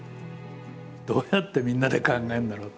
どうやってみんなで考えるんだろう？